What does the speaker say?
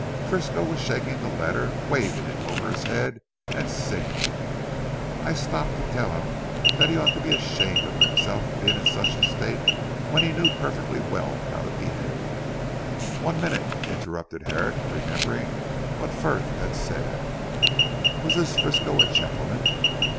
"Frisco was shaking the letter waving it over his head, and singing. I stopped to tell him he ought to be ashamed of himself being in such a state, when he knew perfectly well how to behave." "One minute," interrupted Herrick remembering what Frith had said "was this Frisco a gentleman?"